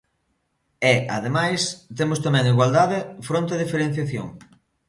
E, ademais, temos tamén igualdade fronte á diferenciación.